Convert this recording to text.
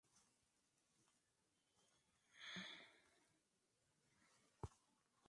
Abandonó su carrera por la radio.